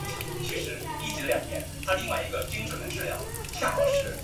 加朗特。